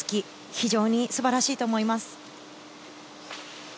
非常に素晴らしいと思います。